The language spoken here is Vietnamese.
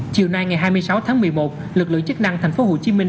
chiều nay ngày hai mươi sáu tháng một mươi một lực lượng chức năng thành phố hồ chí minh